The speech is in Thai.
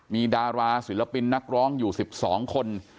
มีดาราศิลปินนักร้องอยู่๑๒คน